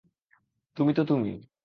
তুমি তো তুমি।